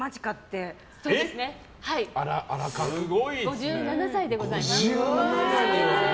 ５７歳でございます。